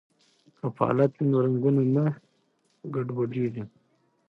که پالت وي نو رنګونه نه ګډوډیږي.